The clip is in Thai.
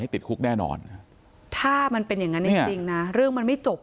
ติดคุกแน่นอนถ้ามันเป็นอย่างนั้นจริงนะเรื่องมันไม่จบ